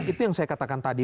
itu yang saya katakan tadi